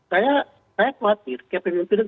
saya khawatir kemimpinan